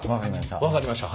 分かりました。